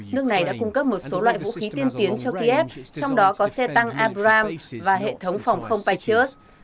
nước này đã cung cấp một số loại vũ khí tiên tiến cho kiev trong đó có xe tăng abram và hệ thống phòng không patriot